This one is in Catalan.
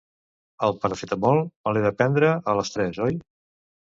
El Paracetamol me l'he de prendre a les tres, oi?